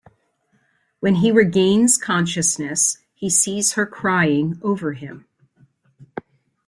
When he regains consciousness, he sees her crying over him.